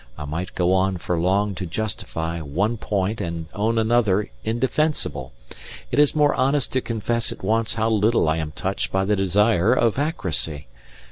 I might go on for long to justify one point and own another indefensible; it is more honest to confess at once how little I am touched by the desire of accuracy.